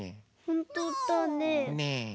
ほんとだね。